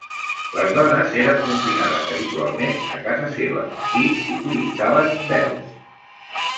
Les dones eren confinades habitualment a casa seva i utilitzaven vels.